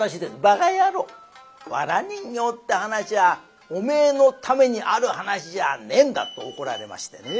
『藁人形』って噺はおめえのためにある噺じゃねえんだ」って怒られましてね。